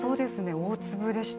大粒でした。